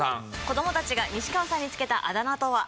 子どもたちが西川さんに付けたあだ名とは？